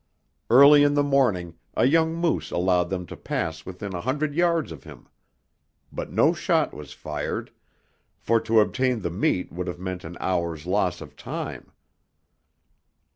Early in the morning a young moose allowed them to pass within a hundred yards of him. But no shot was fired, for to obtain the meat would have meant an hour's loss of time.